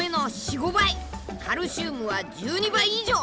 カルシウムは１２倍以上！